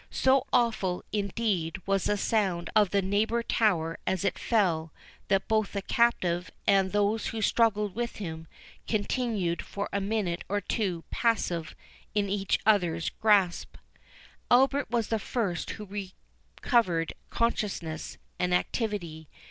So awful, indeed, was the sound of the neighbour tower as it fell, that both the captive, and those who struggled with him, continued for a minute or two passive in each other's grasp. Albert was the first who recovered consciousness and activity.